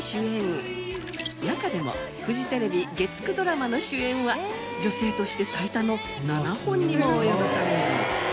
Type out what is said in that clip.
中でもフジテレビ月９ドラマの主演は女性として最多の７本にも及ぶといいます。